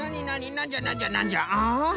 なんじゃなんじゃなんじゃ？